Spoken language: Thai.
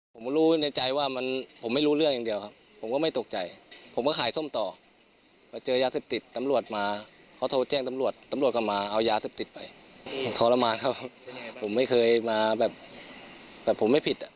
ผมรู้ในใจว่ามันผมไม่รู้เรื่องอย่างเดียวครับผมก็ไม่ตกใจผมก็ขายส้มต่อมาเจอยาเสพติดตำรวจมาเขาโทรแจ้งตำรวจตำรวจก็มาเอายาเสพติดไปทรมานครับผมไม่เคยมาแบบผมไม่ผิดอ่ะ